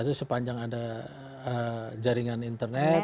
sepanjang ada jaringan internet